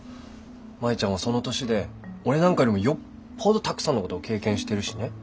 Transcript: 舞ちゃんはその年で俺なんかよりもよっぽどたくさんのことを経験してるしね。